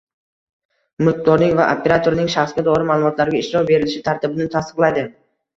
Mulkdorning va operatorning shaxsga doir ma’lumotlarga ishlov berilishi tartibini tasdiqlaydi.